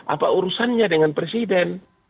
apa urusannya dengan presiden